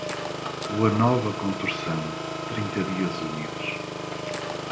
Lua nova com torção, trinta dias úmidos.